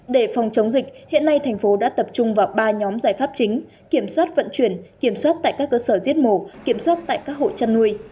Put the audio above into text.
để phòng chống dịch hiện nay thành phố đã tập trung vào ba nhóm giải pháp chính kiểm soát vận chuyển kiểm soát tại các cơ sở giết mổ kiểm soát tại các hộ chăn nuôi